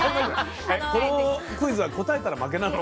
このクイズは答えたら負けなの？